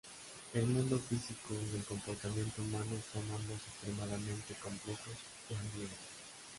El mundo físico y el comportamiento humano son ambos extremadamente complejos y ambiguos.